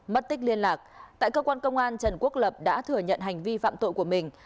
mất tích liên lạc tại cơ quan công an trần quốc lập đã thừa nhận hành vi phạm tội của mình